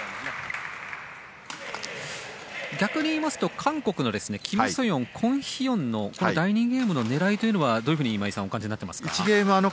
逆に言いますと韓国のキム・ソヨン、コン・ヒヨンの第２ゲームの狙いはどういうふうにお感じになってますか？